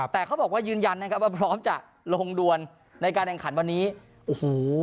แต่เขาบอกว่ายืนยันนะครับว่าพร้อมจะลงดวนในการแข่งขันวันนี้โอ้โห